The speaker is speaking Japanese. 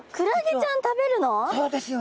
そうですよ。